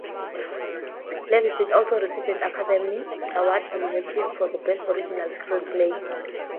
Levinson also received an Academy Award nomination for Best Original Screenplay.